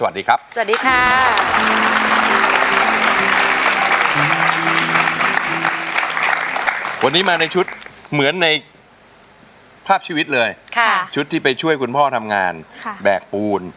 วันนี้มาในชุดเหมือนในภาพชีวิตเลยชุดที่ไปช่วยคุณพ่อทำงานแบกปูน